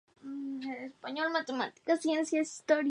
Está casado, tiene dos hijas y es diplomado en ciencias empresariales.